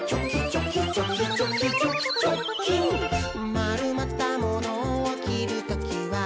「まるまったモノをきるときは、」